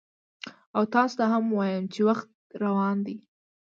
او تاسو ته هم وایم چې وخت روان دی،